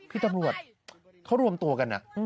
พี่ตำรวจเขารวมตัวกัน